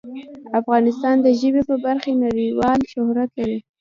افغانستان د ژبې په برخه کې نړیوال شهرت لري.